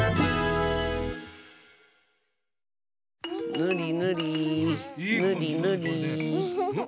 ぬりぬりぬりぬり。